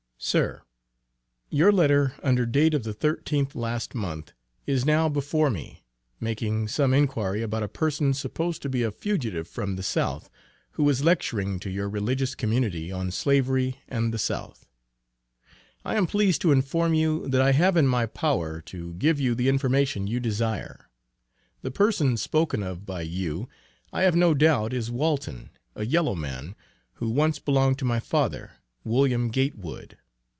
SIR: Your letter under date of the 13th ult., is now before me, making some inquiry about a person supposed to be a fugitive from the South, "who is lecturing to your religious community on Slavery and the South." I am pleased to inform you that I have it in my power to give you the information you desire. The person spoken of by you I have no doubt is Walton, a yellow man, who once belonged to my father, William Gatewood.